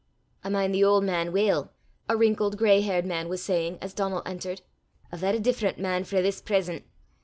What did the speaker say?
"I min' the auld man weel," a wrinkled gray haired man was saying as Donal entered, " a varra different man frae this present.